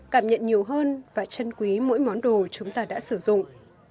cảm nhận nhiều hơn và chân quý mỗi món đồ chúng ta đã sử dụng